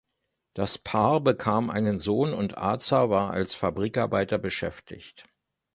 Das Paar bekam einen Sohn und Acar war als Fabrikarbeiter beschäftigt.